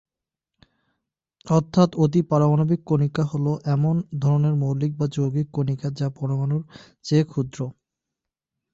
অর্থাৎ অতিপারমাণবিক কণিকা হলো এমন ধরনের মৌলিক বা যৌগিক কণিকা যা পরমাণুর চেয়ে ক্ষুদ্র।